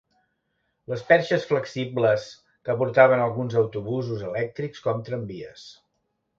Les perxes flexibles que portaven alguns autobusos elèctrics com tramvies.